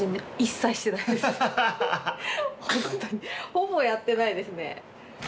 ほぼやってないですね。